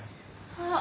あっ。